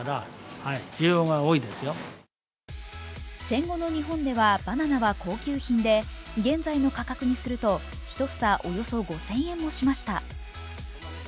戦後の日本ではバナナは高級品で現在の価格にすると、１房およそ５０００円もしました。